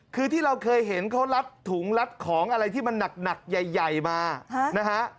คือที่เราเคยเห็นเขารัดถุงรัดของอะไรที่มันหนักใหญ่มานะฮะ